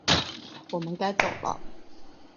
我们该走了